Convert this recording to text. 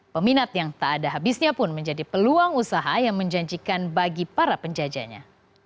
peminat yang tak ada habisnya pun menjadi peluang usaha yang menjanjikan bagi para penjajahnya